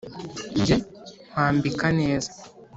Njye nkwambika neza